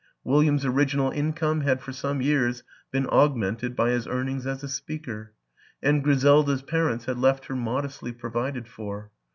William's original income had for some years been augmented by his earnings as a speaker, and Griselda's parents had left her modestly provided for.